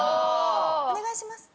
お願いします。